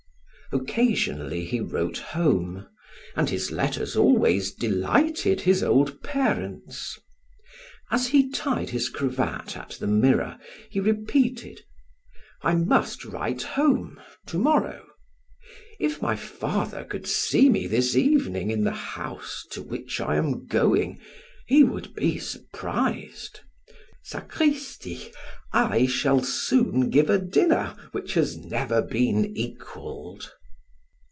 Occasionally he wrote home, and his letters always delighted his old parents. As he tied his cravat at the mirror he repeated: "I must write home to morrow. If my father could see me this evening in the house to which I am going, he would be surprised. Sacristi, I shall soon give a dinner which has never been equaled!"